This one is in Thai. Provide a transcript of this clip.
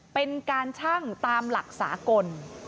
เป็นการชั่งตามหลักสากล